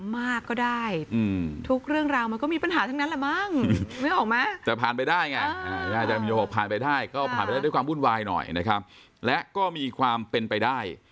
ว่าเลือกเรื่องนี้หนักมากก็ได้